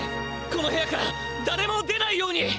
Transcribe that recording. この部屋からだれも出ないように！